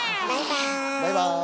バイバーイ。